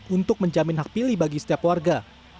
untuk menjamin hak pilih bagi setiap warga